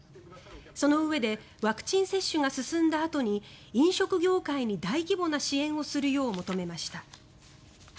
そのうえでワクチン接種が進んだあとに飲食業界に大規模な支援をするよう求めました。